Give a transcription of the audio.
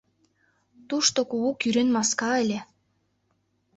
Тушто кугу кӱрен маска ыле.